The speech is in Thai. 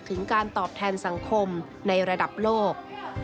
ถึงการตอบแทนสังคมในระดับโลก